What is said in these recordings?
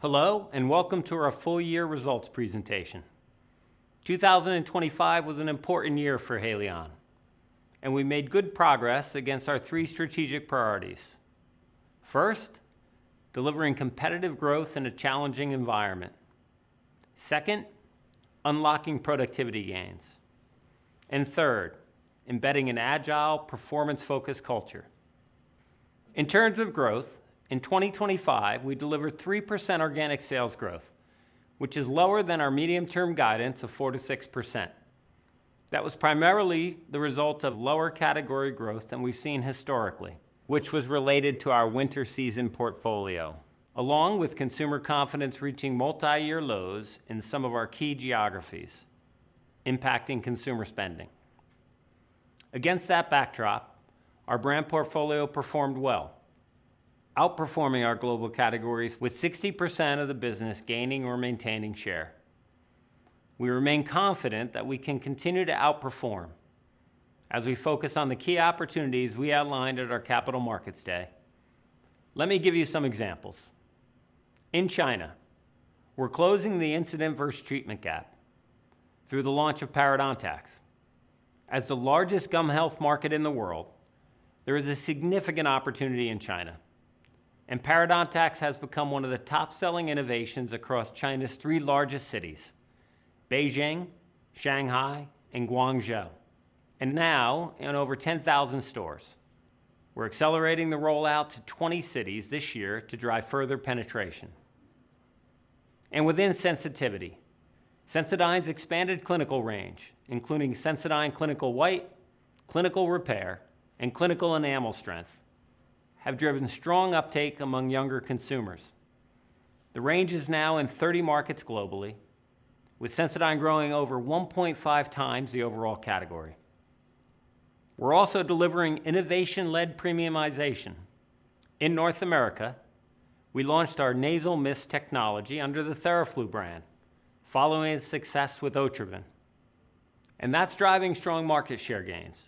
Hello, and welcome to our full year results presentation. 2025 was an important year for Haleon, and we made good progress against our three strategic priorities. First, delivering competitive growth in a challenging environment. Second, unlocking productivity gains. Third, embedding an agile, performance-focused culture. In terms of growth, in 2025, we delivered 3% organic sales growth, which is lower than our medium-term guidance of 4%-6%. That was primarily the result of lower category growth than we've seen historically, which was related to our winter season portfolio, along with consumer confidence reaching multi-year lows in some of our key geographies, impacting consumer spending. Against that backdrop, our brand portfolio performed well, outperforming our global categories with 60% of the business gaining or maintaining share. We remain confident that we can continue to outperform as we focus on the key opportunities we outlined at our Capital Markets Day. Let me give you some examples. In China, we're closing the incident first treatment gap through the launch of parodontax. As the largest gum health market in the world, there is a significant opportunity in China, and parodontax has become one of the top-selling innovations across China's three largest cities, Beijing, Shanghai, and Guangzhou, and now in over 10,000 stores. We're accelerating the rollout to 20 cities this year to drive further penetration. Within sensitivity, Sensodyne's expanded clinical range, including Sensodyne Clinical White, Clinical Repair, and Clinical Enamel Strength, have driven strong uptake among younger consumers. The range is now in 30 markets globally, with Sensodyne growing over 1.5x the overall category. We're also delivering innovation-led premiumization. In North America, we launched our nasal mist technology under the Theraflu brand, following its success with Otrivin, that's driving strong market share gains.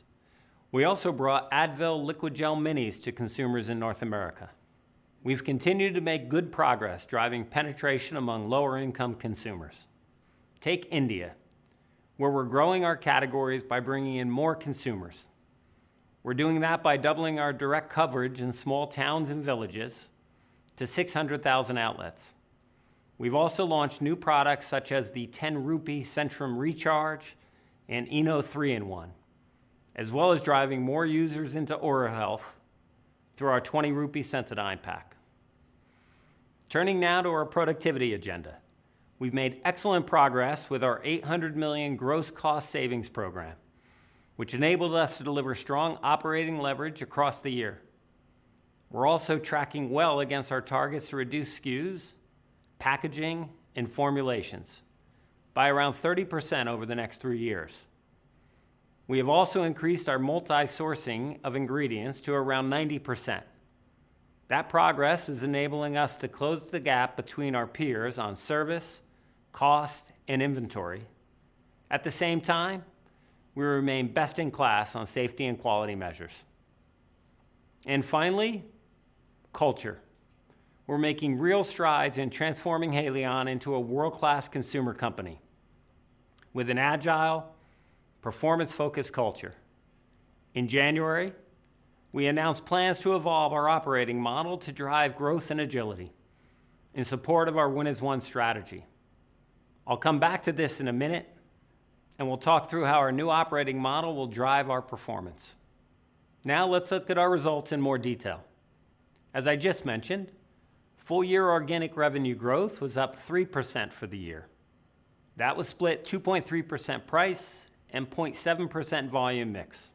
We also brought Advil Liqui-Gels Minis to consumers in North America. We've continued to make good progress driving penetration among lower-income consumers. Take India, where we're growing our categories by bringing in more consumers. We're doing that by doubling our direct coverage in small towns and villages to 600,000 outlets. We've also launched new products, such as the 10 rupee Centrum Recharge and ENO 3 in 1, as well as driving more users into oral health through our 20 rupee Sensodyne pack. Turning now to our productivity agenda. We've made excellent progress with our 800 million gross cost savings program, which enabled us to deliver strong operating leverage across the year. We're also tracking well against our targets to reduce SKUs, packaging, and formulations by around 30% over the next three years. We have also increased our multi-sourcing of ingredients to around 90%. That progress is enabling us to close the gap between our peers on service, cost, and inventory. At the same time, we remain best in class on safety and quality measures. Finally, culture. We're making real strides in transforming Haleon into a world-class consumer company with an agile, performance-focused culture. In January, we announced plans to evolve our operating model to drive growth and agility in support of our Win as One strategy. I'll come back to this in a minute, and we'll talk through how our new operating model will drive our performance. Now, let's look at our results in more detail. As I just mentioned, full year organic revenue growth was up 3% for the year. That was split 2.3% price and 0.7% volume mix.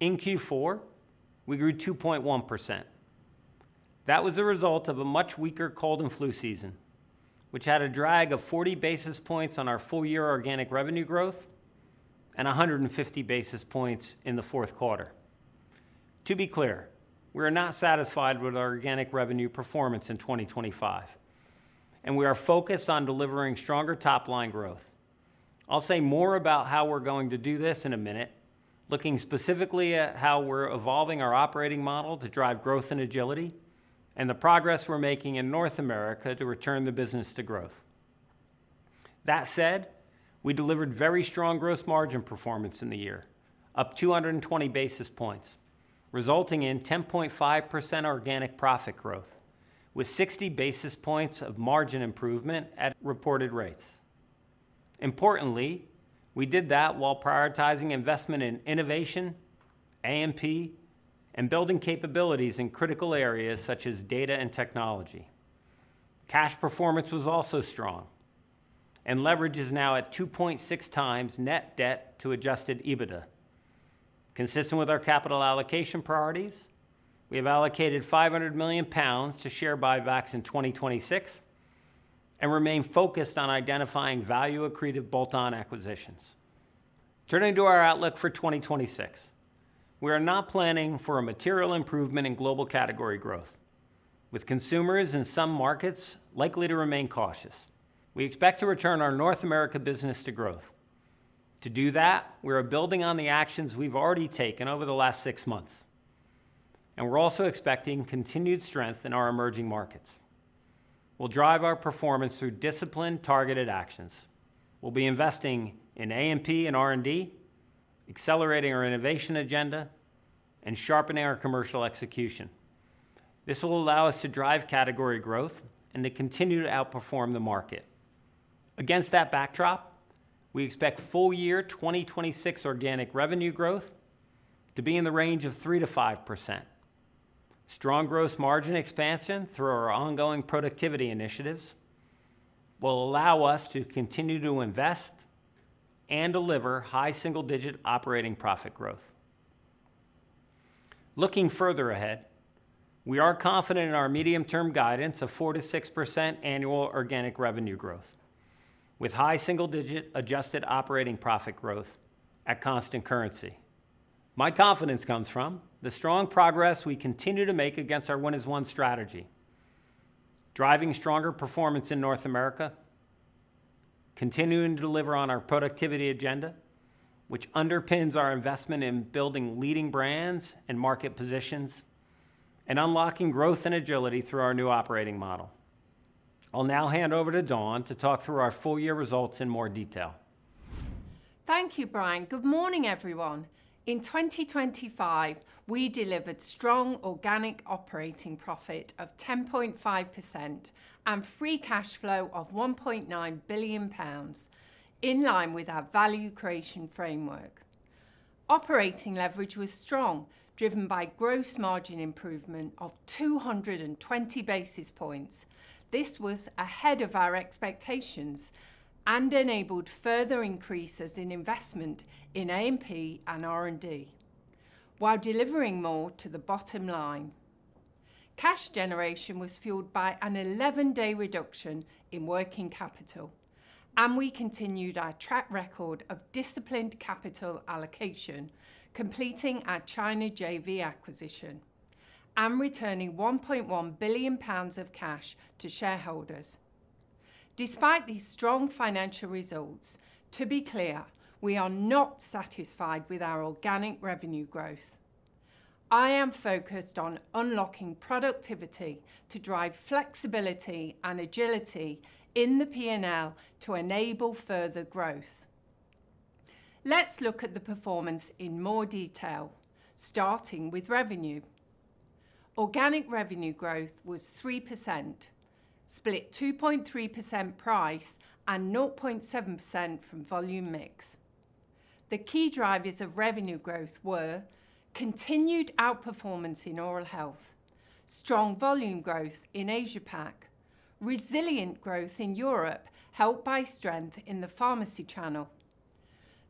In Q4, we grew 2.1%. That was a result of a much weaker cold and flu season, which had a drag of 40 basis points on our full year organic revenue growth and 150 basis points in the fourth quarter. To be clear, we are not satisfied with our organic revenue performance in 2025, and we are focused on delivering stronger top-line growth. I'll say more about how we're going to do this in a minute, looking specifically at how we're evolving our operating model to drive growth and agility and the progress we're making in North America to return the business to growth. That said, we delivered very strong gross margin performance in the year, up 220 basis points, resulting in 10.5% organic profit growth, with 60 basis points of margin improvement at reported rates. Importantly, we did that while prioritizing investment in innovation, A&P, and building capabilities in critical areas such as data and technology. Cash performance was also strong. Leverage is now at 2.6x net debt to adjusted EBITDA. Consistent with our capital allocation priorities, we have allocated 500 million pounds to share buybacks in 2026 and remain focused on identifying value accretive bolt-on acquisitions. Turning to our outlook for 2026, we are not planning for a material improvement in global category growth, with consumers in some markets likely to remain cautious. We expect to return our North America business to growth. To do that, we are building on the actions we've already taken over the last six months, and we're also expecting continued strength in our emerging markets. We'll drive our performance through disciplined, targeted actions. We'll be investing in A&P and R&D, accelerating our innovation agenda, and sharpening our commercial execution. This will allow us to drive category growth and to continue to outperform the market. Against that backdrop, we expect full year 2026 organic revenue growth to be in the range of 3%-5%. Strong gross margin expansion through our ongoing productivity initiatives will allow us to continue to invest and deliver high single-digit operating profit growth. Looking further ahead, we are confident in our medium-term guidance of 4%-6% annual organic revenue growth, with high single-digit adjusted operating profit growth at constant currency. My confidence comes from the strong progress we continue to make against our Win as One strategy, driving stronger performance in North America, continuing to deliver on our productivity agenda, which underpins our investment in building leading brands and market positions, and unlocking growth and agility through our new operating model. I'll now hand over to Dawn to talk through our full year results in more detail. Thank you, Brian. Good morning, everyone. In 2025, we delivered strong organic operating profit of 10.5% and free cash flow of 1.9 billion pounds, in line with our value creation framework. Operating leverage was strong, driven by gross margin improvement of 220 basis points. This was ahead of our expectations and enabled further increases in investment in A&P and R&D, while delivering more to the bottom line. Cash generation was fueled by an 11-day reduction in working capital. We continued our track record of disciplined capital allocation, completing our China JV acquisition and returning 1.1 billion pounds of cash to shareholders. Despite these strong financial results, to be clear, we are not satisfied with our organic revenue growth. I am focused on unlocking productivity to drive flexibility and agility in the P&L to enable further growth. Let's look at the performance in more detail, starting with revenue. Organic revenue growth was 3%, split 2.3% price and 0.7% from volume mix. The key drivers of revenue growth were continued outperformance in oral health, strong volume growth in Asia Pac, resilient growth in Europe, helped by strength in the pharmacy channel.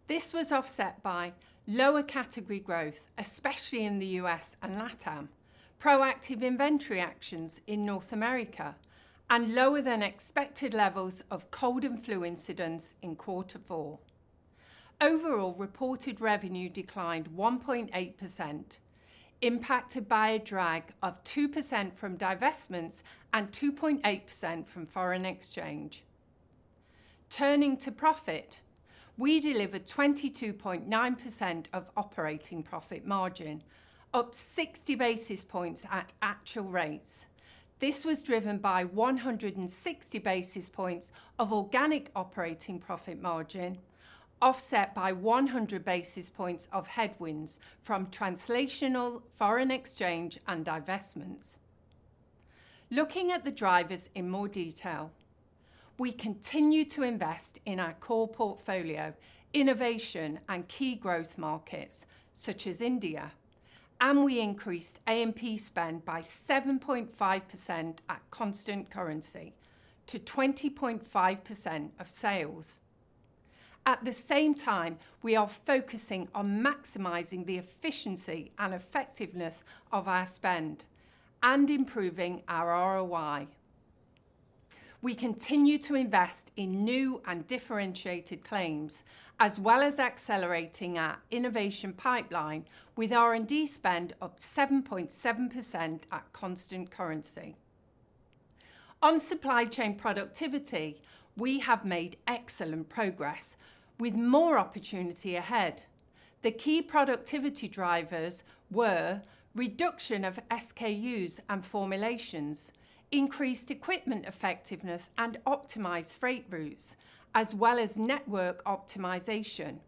This was offset by lower category growth, especially in the U.S. and LATAM, proactive inventory actions in North America, and lower than expected levels of cold and flu incidents in quarter four. Overall, reported revenue declined 1.8%, impacted by a drag of 2% from divestments and 2.8% from foreign exchange. Turning to profit, we delivered 22.9% of operating profit margin, up 60 basis points at actual rates. This was driven by 160 basis points of organic operating profit margin, offset by 100 basis points of headwinds from translational foreign exchange and divestments. Looking at the drivers in more detail, we continue to invest in our core portfolio, innovation, and key growth markets such as India, and we increased A&P spend by 7.5% at constant currency to 20.5% of sales. At the same time, we are focusing on maximizing the efficiency and effectiveness of our spend and improving our ROI. We continue to invest in new and differentiated claims, as well as accelerating our innovation pipeline with R&D spend up 7.7% at constant currency. On supply chain productivity, we have made excellent progress with more opportunity ahead. The key productivity drivers were reduction of SKUs and formulations, increased equipment effectiveness and optimized freight routes, as well as network optimization.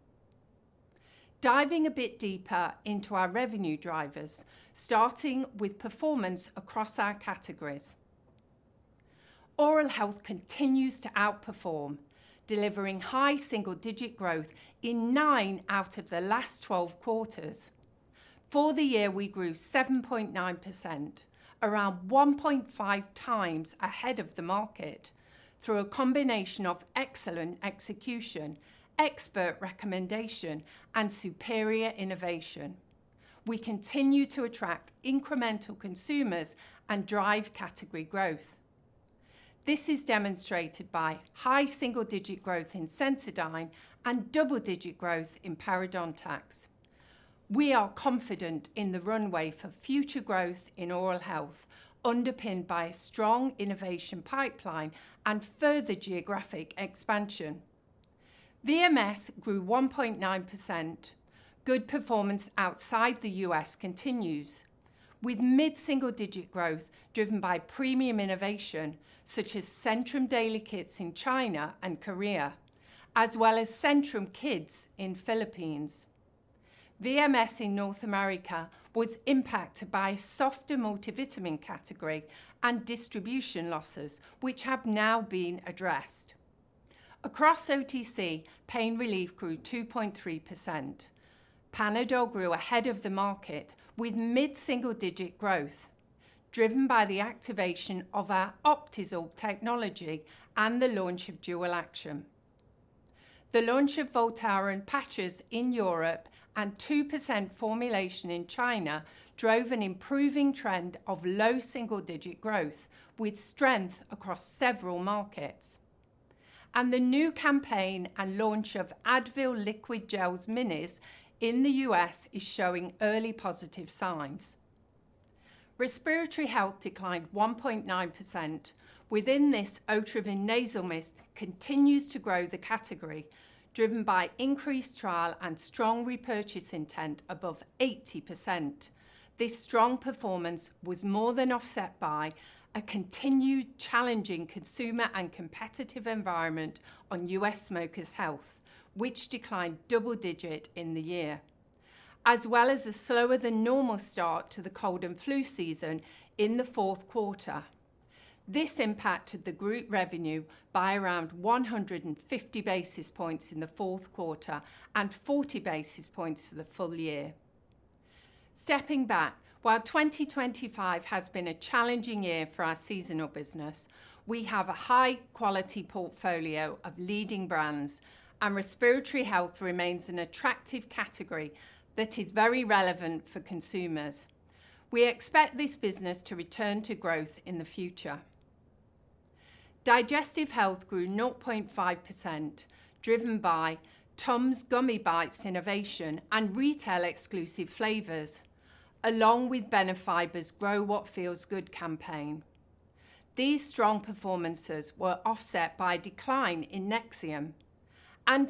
Diving a bit deeper into our revenue drivers, starting with performance across our categories. Oral health continues to outperform, delivering high single-digit growth in 9 out of the last 12 quarters. For the year, we grew 7.9%, around 1.5x ahead of the market, through a combination of excellent execution, expert recommendation, and superior innovation. We continue to attract incremental consumers and drive category growth. This is demonstrated by high single-digit growth in Sensodyne and double-digit growth in parodontax. We are confident in the runway for future growth in oral health, underpinned by a strong innovation pipeline and further geographic expansion. VMS grew 1.9%. Good performance outside the U.S. continues, with mid-single-digit growth driven by premium innovation, such as Centrum Daily Kits in China and Korea, as well as Centrum Kids in Philippines. VMS in North America was impacted by softer multivitamin category and distribution losses, which have now been addressed. Across OTC, pain relief grew 2.3%. Panadol grew ahead of the market with mid-single-digit growth, driven by the activation of our Optizorb technology and the launch of Dual Action. The launch of Voltaren patches in Europe and 2% formulation in China drove an improving trend of low single-digit growth, with strength across several markets. The new campaign and launch of Advil Liqui-Gels minis in the U.S. is showing early positive signs. Respiratory health declined 1.9%. Within this, Otrivin nasal mist continues to grow the category, driven by increased trial and strong repurchase intent above 80%. This strong performance was more than offset by a continued challenging consumer and competitive environment on US Smokers' Health, which declined double-digit in the year, as well as a slower than normal start to the cold and flu season in the fourth quarter. This impacted the group revenue by around 150 basis points in the fourth quarter and 40 basis points for the full year. Stepping back, while 2025 has been a challenging year for our seasonal business, we have a high-quality portfolio of leading brands, and respiratory health remains an attractive category that is very relevant for consumers. We expect this business to return to growth in the future. Digestive health grew 0.5%, driven by TUMS Gummy Bites innovation and retail-exclusive flavors, along with Benefiber's Grow What Feels Good campaign. These strong performances were offset by a decline in Nexium.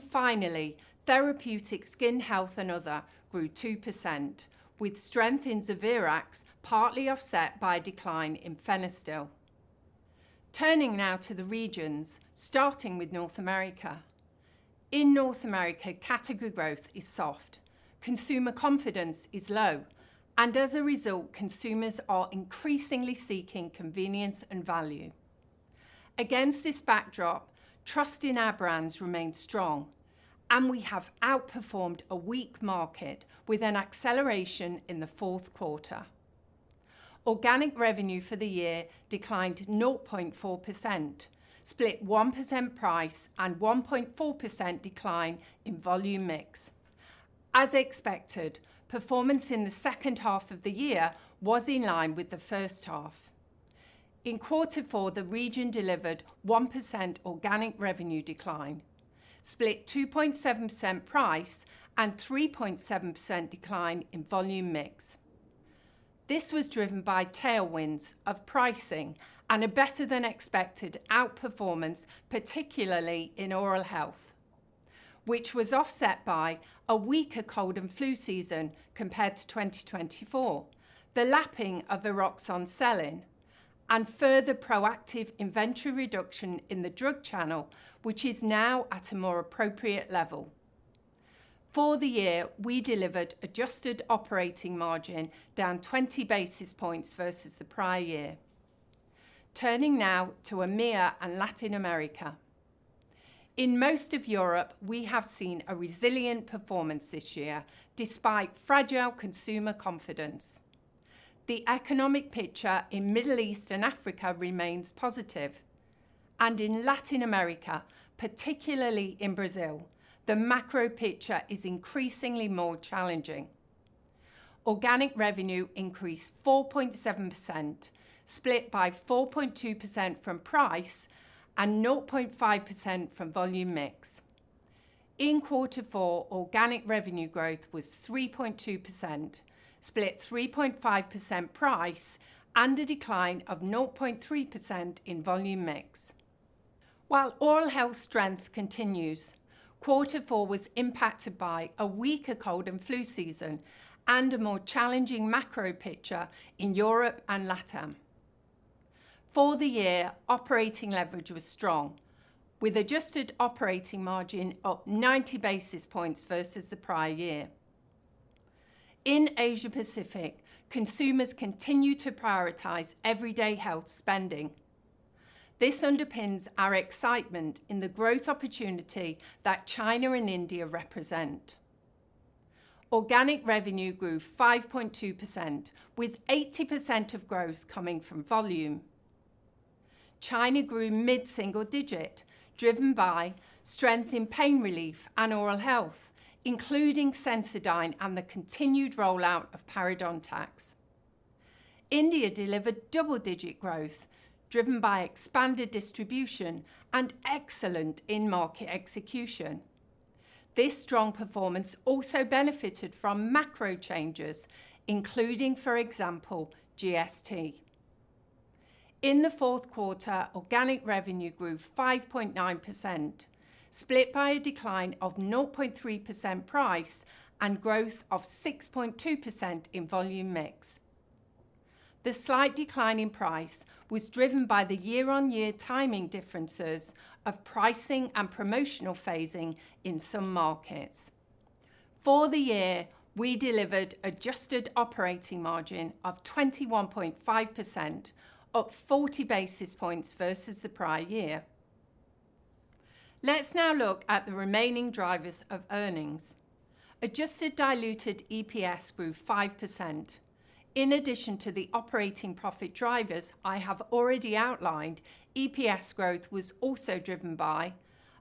Finally, therapeutic skin health and other grew 2%, with strength in Xerac partly offset by a decline in Fenistil. Turning now to the regions, starting with North America. In North America, category growth is soft, consumer confidence is low, and as a result, consumers are increasingly seeking convenience and value. Against this backdrop, trust in our brands remains strong, and we have outperformed a weak market with an acceleration in the fourth quarter. Organic revenue for the year declined 0.4%, split 1% price and 1.4% decline in volume mix. As expected, performance in the second half of the year was in line with the first half. In quarter four, the region delivered 1% organic revenue decline, split 2.7% price and 3.7% decline in volume mix. This was driven by tailwinds of pricing and a better than expected outperformance, particularly in oral health, which was offset by a weaker cold and flu season compared to 2024, the lapping of the Eroxon selling, and further proactive inventory reduction in the drug channel, which is now at a more appropriate level. For the year, we delivered adjusted operating margin down 20 basis points versus the prior year. Turning now to EMEA and Latin America. In most of Europe, we have seen a resilient performance this year, despite fragile consumer confidence. The economic picture in Middle East and Africa remains positive, and in Latin America, particularly in Brazil, the macro picture is increasingly more challenging. Organic revenue increased 4.7%, split by 4.2% from price and 0.5% from volume mix. In Q4, organic revenue growth was 3.2%, split 3.5% price and a decline of 0.3% in volume mix. While oral health strength continues, Q4 was impacted by a weaker cold and flu season and a more challenging macro picture in Europe and LATAM. For the year, operating leverage was strong, with adjusted operating margin up 90 basis points versus the prior year. In Asia Pacific, consumers continue to prioritize everyday health spending. This underpins our excitement in the growth opportunity that China and India represent. Organic revenue grew 5.2%, with 80% of growth coming from volume. China grew mid-single-digit, driven by strength in pain relief and oral health, including Sensodyne and the continued rollout of parodontax. India delivered double-digit growth, driven by expanded distribution and excellent in-market execution. This strong performance also benefited from macro changes, including, for example, GST. In the fourth quarter, organic revenue grew 5.9%, split by a decline of 0.3% price and growth of 6.2% in volume mix. The slight decline in price was driven by the year-on-year timing differences of pricing and promotional phasing in some markets. For the year, we delivered adjusted operating margin of 21.5%, up 40 basis points versus the prior year. Let's now look at the remaining drivers of earnings. Adjusted diluted EPS grew 5%. In addition to the operating profit drivers I have already outlined, EPS growth was also driven by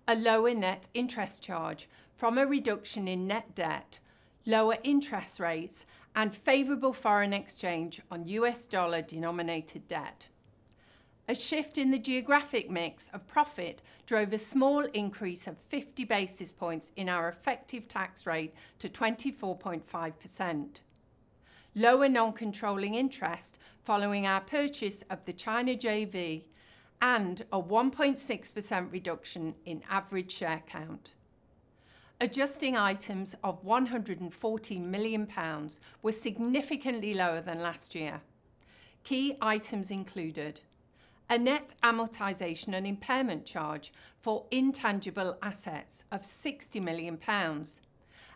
a lower net interest charge from a reduction in net debt, lower interest rates, and favorable foreign exchange on U.S. dollar-denominated debt. A shift in the geographic mix of profit drove a small increase of 50 basis points in our effective tax rate to 24.5%. Lower non-controlling interest following our purchase of the China JV and a 1.6% reduction in average share count. Adjusting items of 114 million pounds were significantly lower than last year. Key items included: a net amortization and impairment charge for intangible assets of 60 million pounds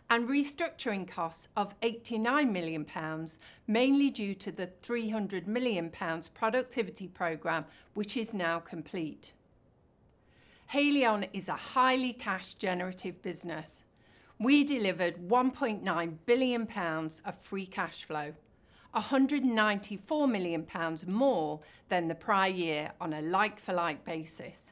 and restructuring costs of 89 million pounds, mainly due to the 300 million pounds productivity program, which is now complete. Haleon is a highly cash-generative business. We delivered 1.9 billion pounds of free cash flow, 194 million pounds more than the prior year on a like-for-like basis.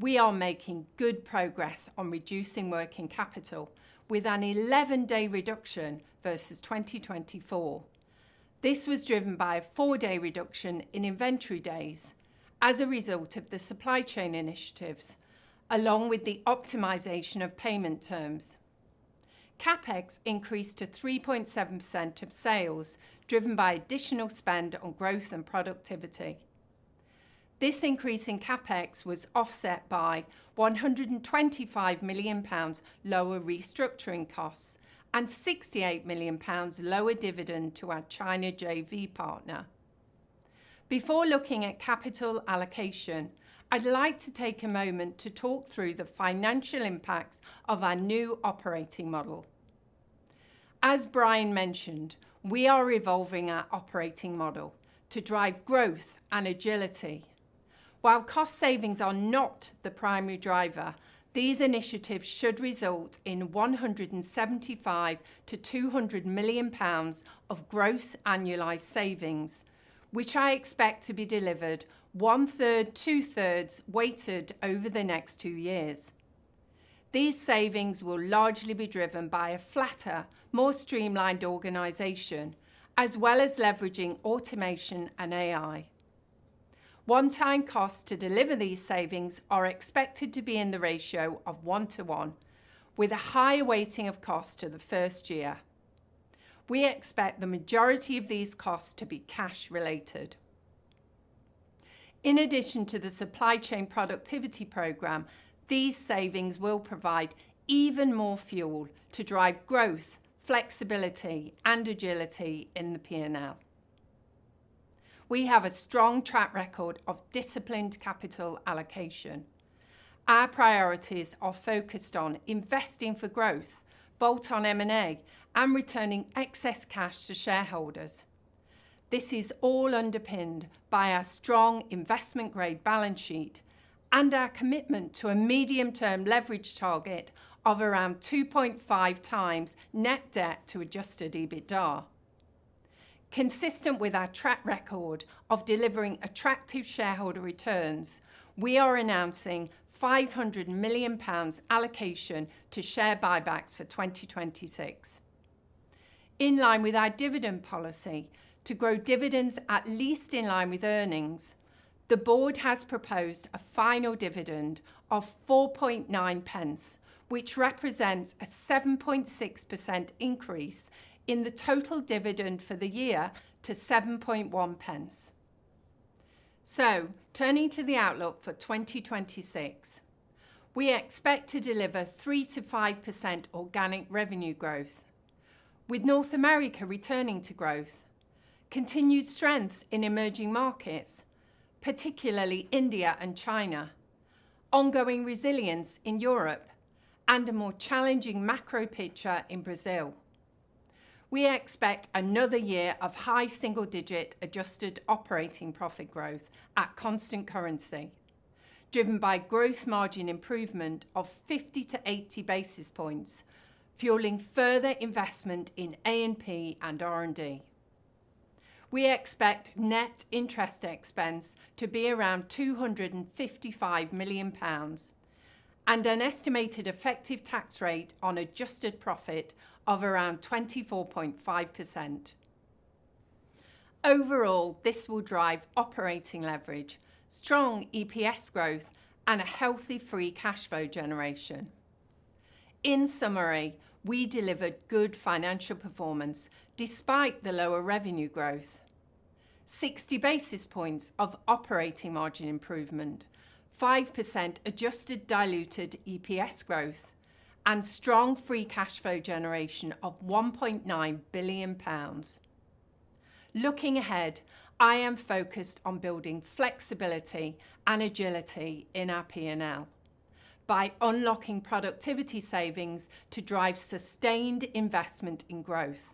We are making good progress on reducing working capital with an 11-day reduction versus 2024. This was driven by a 4-day reduction in inventory days as a result of the supply chain initiatives, along with the optimization of payment terms. CapEx increased to 3.7% of sales, driven by additional spend on growth and productivity. This increase in CapEx was offset by 125 million pounds lower restructuring costs and 68 million pounds lower dividend to our China JV partner. Before looking at capital allocation, I'd like to take a moment to talk through the financial impacts of our new operating model. As Brian mentioned, we are evolving our operating model to drive growth and agility. While cost savings are not the primary driver, these initiatives should result in 175 million-200 million pounds of gross annualized savings, which I expect to be delivered one-third, two-thirds weighted over the next two years. These savings will largely be driven by a flatter, more streamlined organization, as well as leveraging automation and AI. One-time costs to deliver these savings are expected to be in the ratio of 1 to 1, with a high weighting of cost to the first year. We expect the majority of these costs to be cash related. In addition to the supply chain productivity program, these savings will provide even more fuel to drive growth, flexibility, and agility in the P&L. We have a strong track record of disciplined capital allocation. Our priorities are focused on investing for growth, bolt-on M&A, and returning excess cash to shareholders. This is all underpinned by our strong investment-grade balance sheet and our commitment to a medium-term leverage target of around 2.5x net debt to adjusted EBITDA. Consistent with our track record of delivering attractive shareholder returns, we are announcing 500 million pounds allocation to share buybacks for 2026. In line with our dividend policy to grow dividends at least in line with earnings, the board has proposed a final dividend of 4.9 pence, which represents a 7.6% increase in the total dividend for the year to 7.1 pence. Turning to the outlook for 2026, we expect to deliver 3%-5% organic revenue growth, with North America returning to growth, continued strength in emerging markets, particularly India and China, ongoing resilience in Europe, and a more challenging macro picture in Brazil. We expect another year of high single-digit adjusted operating profit growth at constant currency, driven by gross margin improvement of 50-80 basis points, fueling further investment in A&P and R&D. We expect net interest expense to be around 255 million pounds and an estimated effective tax rate on adjusted profit of around 24.5%. Overall, this will drive operating leverage, strong EPS growth, and a healthy free cash flow generation. In summary, we delivered good financial performance despite the lower revenue growth, 60 basis points of operating margin improvement, 5% adjusted diluted EPS growth, and strong free cash flow generation of 1.9 billion pounds. Looking ahead, I am focused on building flexibility and agility in our P&L by unlocking productivity savings to drive sustained investment in growth.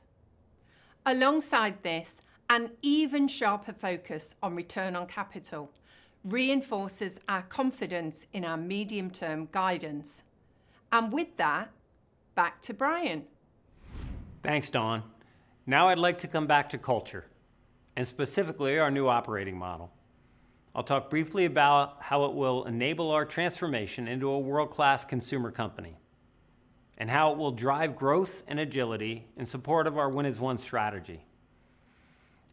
Alongside this, an even sharper focus on return on capital reinforces our confidence in our medium-term guidance. With that, back to Brian. Thanks, Dawn. Now I'd like to come back to culture, and specifically our new operating model. I'll talk briefly about how it will enable our transformation into a world-class consumer company, and how it will drive growth and agility in support of our Win as One strategy.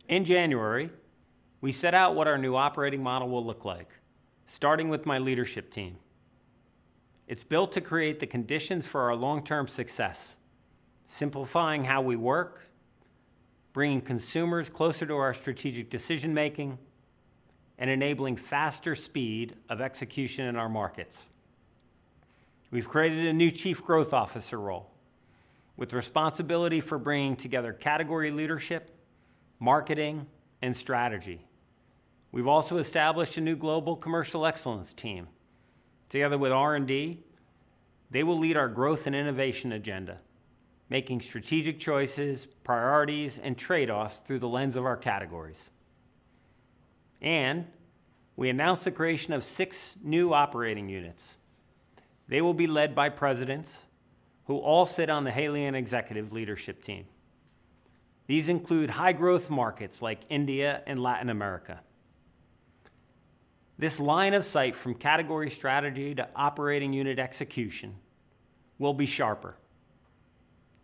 In January, we set out what our new operating model will look like, starting with my leadership team. It's built to create the conditions for our long-term success, simplifying how we work, bringing consumers closer to our strategic decision-making, and enabling faster speed of execution in our markets. We've created a new Chief Growth Officer role with responsibility for bringing together category leadership, marketing, and strategy. We've also established a new global Commercial Excellence team. Together with R&D, they will lead our growth and innovation agenda, making strategic choices, priorities, and trade-offs through the lens of our categories. We announced the creation of six new operating units. They will be led by presidents who all sit on the Haleon Executive Leadership Team. These include high-growth markets like India and Latin America. This line of sight from category strategy to operating unit execution will be sharper,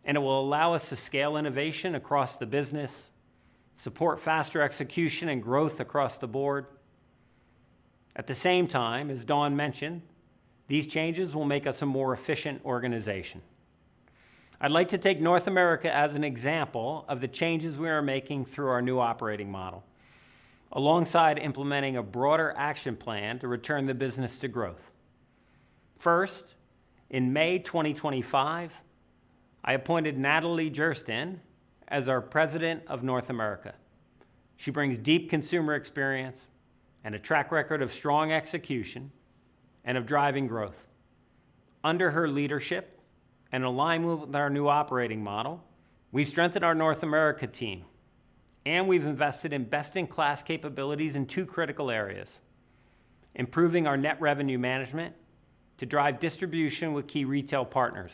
and it will allow us to scale innovation across the business, support faster execution and growth across the board. At the same time, as Dawn mentioned, these changes will make us a more efficient organization. I'd like to take North America as an example of the changes we are making through our new operating model, alongside implementing a broader action plan to return the business to growth. First, in May 2025, I appointed Nathalie Gerschtein as our President of North America. She brings deep consumer experience and a track record of strong execution and of driving growth. Under her leadership, and in alignment with our new operating model, we've strengthened our North America team, and we've invested in best-in-class capabilities in two critical areas: improving our net revenue management to drive distribution with key retail partners.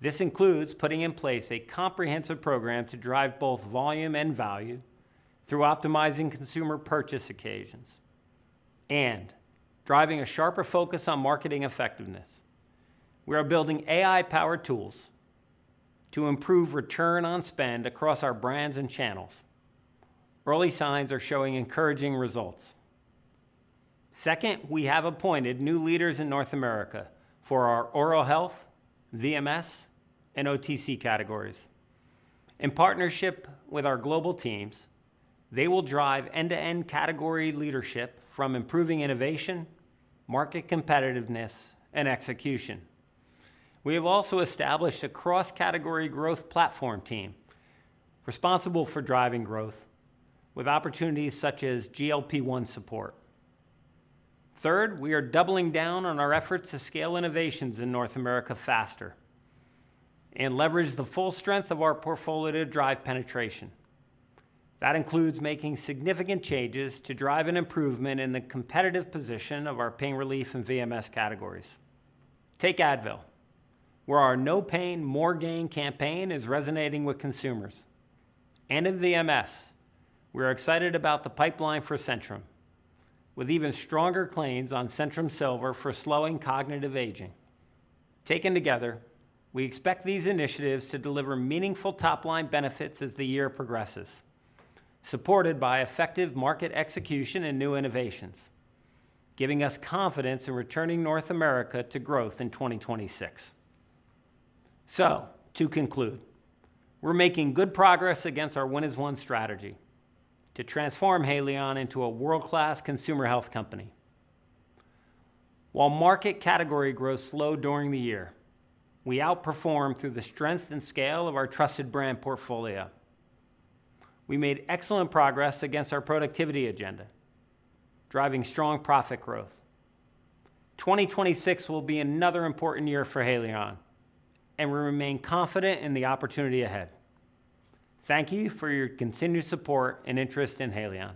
This includes putting in place a comprehensive program to drive both volume and value through optimizing consumer purchase occasions and driving a sharper focus on marketing effectiveness. We are building AI-powered tools to improve return on spend across our brands and channels. Early signs are showing encouraging results. Second, we have appointed new leaders in North America for our oral health, VMS, and OTC categories. In partnership with our global teams, they will drive end-to-end category leadership from improving innovation, market competitiveness, and execution. We have also established a cross-category growth platform team responsible for driving growth with opportunities such as GLP-1 support. Third, we are doubling down on our efforts to scale innovations in North America faster and leverage the full strength of our portfolio to drive penetration. That includes making significant changes to drive an improvement in the competitive position of our pain relief and VMS categories. Take Advil, where our No Pain, More Gain campaign is resonating with consumers. In VMS, we are excited about the pipeline for Centrum, with even stronger claims on Centrum Silver for slowing cognitive aging. Taken together, we expect these initiatives to deliver meaningful top-line benefits as the year progresses, supported by effective market execution and new innovations, giving us confidence in returning North America to growth in 2026. To conclude, we're making good progress against our Win as One strategy to transform Haleon into a world-class consumer health company. While market category growth slowed during the year, we outperformed through the strength and scale of our trusted brand portfolio. We made excellent progress against our productivity agenda, driving strong profit growth. 2026 will be another important year for Haleon, and we remain confident in the opportunity ahead. Thank you for your continued support and interest in Haleon.